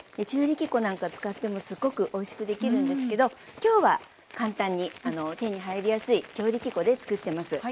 中力粉なんか使ってもすごくおいしくできるんですけどきょうは簡単に手に入りやすい強力粉で作ってます。